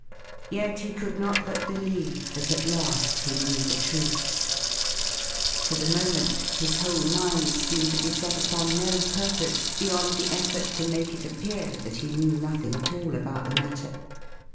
Yet he could not but believe that at last he knew the truth. For the moment his whole mind seemed to be set upon no purpose beyond the effort to make it appear that he knew nothing at all about the matter.